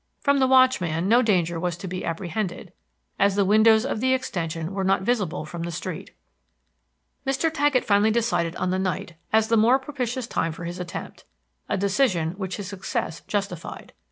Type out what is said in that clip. From the watchman no danger was to be apprehended, as the windows of the extension were not visible from the street. Mr. Taggett finally decided on the night as the more propitious time for his attempt, a decision which his success justified.